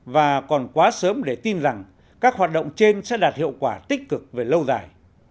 và còn quá sớm để tin rằng các hoạt động trên sẽ đạt hiệu quả tích cực về lâu dài